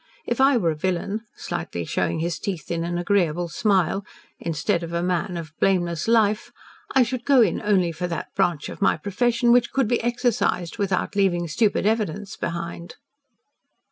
If I were a villain," slightly showing his teeth in an agreeable smile "instead of a man of blameless life, I should go in only for that branch of my profession which could be exercised without leaving stupid evidence behind."